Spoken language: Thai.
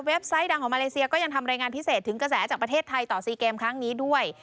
ไซต์ดังของมาเลเซียก็ยังทำรายงานพิเศษถึงกระแสจากประเทศไทยต่อ๔เกมครั้งนี้ด้วย